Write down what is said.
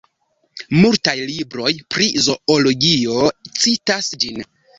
Multaj libroj pri zoologio citas ĝin.